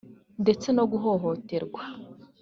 ndetse no guhohoterwa